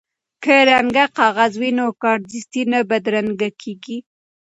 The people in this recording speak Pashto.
که رنګه کاغذ وي نو کارډستي نه بدرنګیږي.